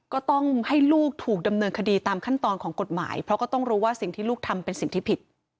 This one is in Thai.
ก็ต้องให้ลูกถูกดำเนินคดีตามขั้นตอนของกฎหมายเพราะก็ต้องรู้ว่าสิ่งที่ลูกทำเป็นสิ่งที่ผิด